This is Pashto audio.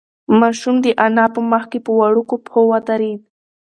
ماشوم د انا په مخ کې په وړوکو پښو ودرېد.